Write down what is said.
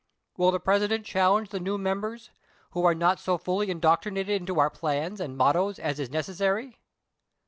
Will the President challenge the new mem bers, who are not so fully indoctrinated into our plans and mottos as is necessary